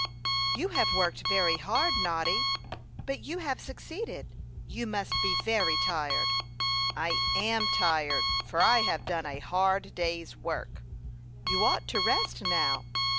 "You have worked very hard, Noddy, but you have succeeded. You must be very tired." "I am tired, for I have done a hard day's work." "You ought to rest now."